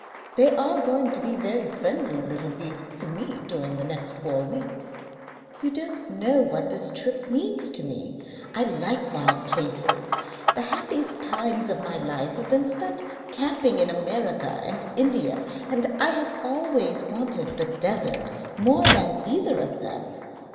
"They are going to be very friendly little beasts to me during the next four weeks.... You don't know what this trip means to me. I like wild places. The happiest times of my life have been spent camping in America and India, and I have always wanted the desert more than either of them.